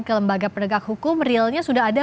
ke lembaga penegak hukum realnya sudah ada